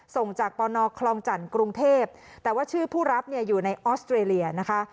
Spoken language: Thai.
ส่งจากปนคลองจันทร์กรุงเทพแต่ว่าชื่อผู้รับเนี่ยอยู่ในออสเตรเลียนะคะ